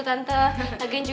tante baik banget sih